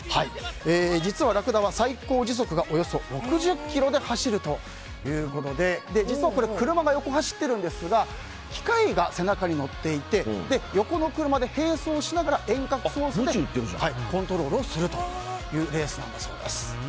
実はラクダは最高時速がおよそ６０キロで走るということで実はこれ車が横を走っているんですけど機械が背中に乗っていて横の車で並走しながら遠隔操作でコントロールするというレースなんだそうです。